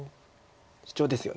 シチョウですよね。